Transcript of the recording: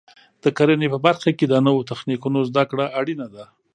د کرنې په برخه کې د نوو تخنیکونو زده کړه اړینه ده.